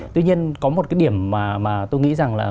tuy nhiên có một cái điểm mà tôi nghĩ rằng là